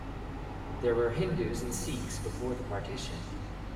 There were Hindus and Sikhs before the partition.